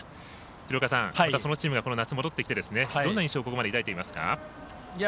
廣岡さん、そのチームが夏に戻ってきてどんな印象をここまで抱いていますか？